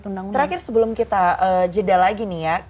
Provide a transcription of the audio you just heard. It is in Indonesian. terakhir sebelum kita jeda lagi nih ya